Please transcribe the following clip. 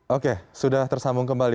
oke sudah tersambung kembali